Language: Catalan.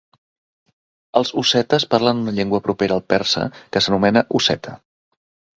Els ossetes parlen una llengua propera al persa que s'anomena osseta.